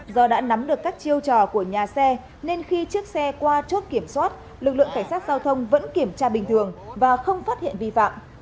do đã nắm được các chiêu trò của nhà xe nên khi chiếc xe qua chốt kiểm soát lực lượng cảnh sát giao thông vẫn kiểm tra bình thường và không phát hiện vi phạm